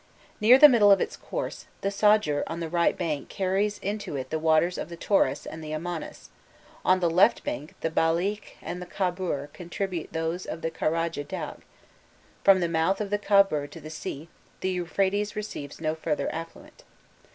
Near the middle of its course, the Sadjur on the right bank carries into it the waters of the Taurus and the Amanus, on the left bank the Balikh and the Khabur contribute those of the Karadja Dagh; from the mouth of the Khabur to the sea the Euphrates receives no further affluent.